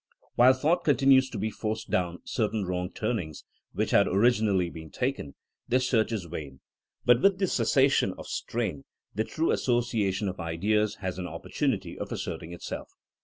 While thought continues to be forced down certain wrong turnings which had origin ally been taken, the search is vain ; but with the cessation of strain the true association of ideas has an opportunity of asserting itself.